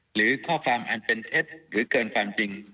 หรือข้อความอันเป็นเท็จหรือเกินความจริง